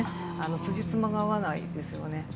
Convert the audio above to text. つじつまが合わないですよね。